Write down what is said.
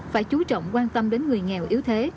phải chú trọng quan tâm đến người nghèo yếu thế